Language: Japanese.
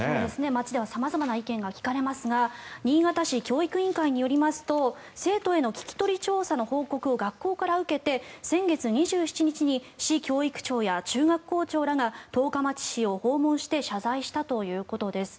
街では様々な意見が聞かれますが新潟市教育委員会によりますと生徒への聞き取り調査の報告を学校から受けて先月２７日に市教育長や中学校長らが十日町市を訪問して謝罪したということです。